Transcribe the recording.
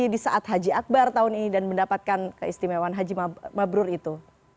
di saat haji akbar tahun ini dan mendapatkan keistimewaan haji mabrur itu